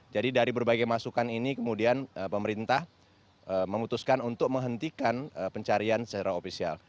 jadi dari berbagai masukan ini kemudian pemerintah memutuskan untuk menghentikan pencarian secara ofisial